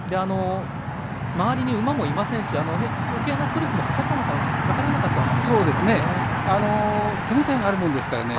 周りに馬もいませんしよけいなストレスもかからなかったわけですね。